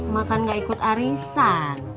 ma kan gak ikut arisan